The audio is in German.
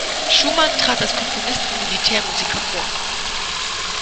Schumann trat als Komponist von Militärmusik hervor.